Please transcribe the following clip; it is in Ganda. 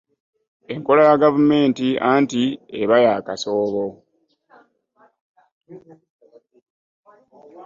Enkola ya gavumenti anti eba ya kasoobo.